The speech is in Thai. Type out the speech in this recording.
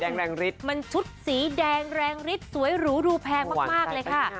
แรงแรงฤทธิ์มันชุดสีแดงแรงฤทธิ์สวยหรูดูแพงมากเลยค่ะ